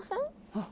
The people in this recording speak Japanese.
あっ。